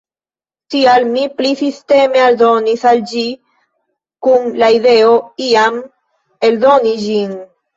Tial mi pli sisteme aldonis al ĝi, kun la ideo iam eldoni ĝin.